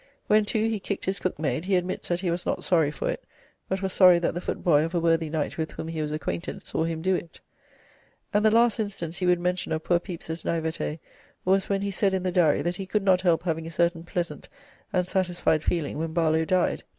When, too, he kicked his cookmaid, he admits that he was not sorry for it, but was sorry that the footboy of a worthy knight with whom he was acquainted saw him do it. And the last instance he would mention of poor Pepys's 'naivete' was when he said in the Diary that he could not help having a certain pleasant and satisfied feeling when Barlow died.